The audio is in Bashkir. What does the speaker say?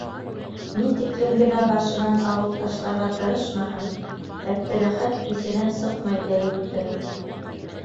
Ни тиклем генә башынан алып ташларға тырышмаһын, Әптеләхәт иҫенән сыҡмай Әйүптең.